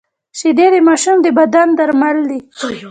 شیدې د ماشوم د بدن درمل دي